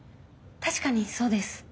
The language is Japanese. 確かにそうです。